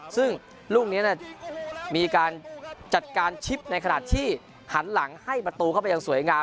ซึ่งลูกนี้มีการจัดการชิปในขณะที่หันหลังให้ประตูเข้าไปอย่างสวยงาม